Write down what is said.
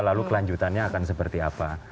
lalu kelanjutannya akan seperti apa